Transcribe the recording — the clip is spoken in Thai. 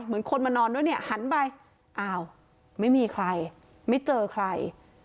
เหมือนคนมานอนด้วยเนี่ยหันไปอ้าวไม่มีใครไม่เจอใคร